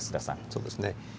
そうですね。